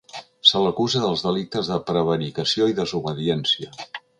Se l’acusa dels delictes de prevaricació i desobediència.